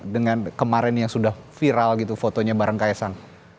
dengan kemarin yang sudah viral gitu fotonya bareng kaesang